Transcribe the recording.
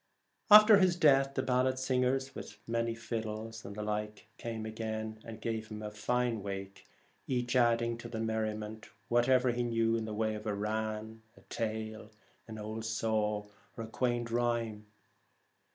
After his death the ballad singers, with many fiddles and the like, came again and gave him a fine wake, each adding to the merriment whatever he knew in the way of rann, tale, old saw, or quaint rhyme.